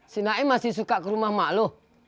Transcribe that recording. si naim masih suka ke rumah emak lo